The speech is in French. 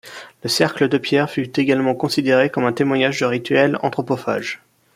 Le cercle de pierre fut également considéré comme un témoignage de rituel anthropophage.